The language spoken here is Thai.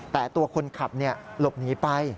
แต่ตัวคนขับหลบหนีไป